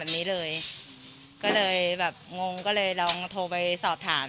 โบราณเลยยังออกไปหรอ